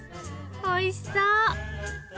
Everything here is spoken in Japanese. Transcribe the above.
おいしそう！